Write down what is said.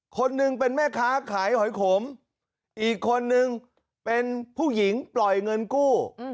คนหนึ่งเป็นแม่ค้าขายหอยขมอีกคนนึงเป็นผู้หญิงปล่อยเงินกู้